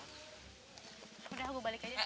udah gue balik aja